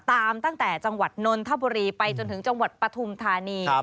ตั้งแต่จังหวัดนนทบุรีไปจนถึงจังหวัดปฐุมธานี